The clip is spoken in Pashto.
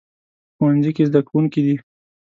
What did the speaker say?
په ښوونځي کې زده کوونکي دي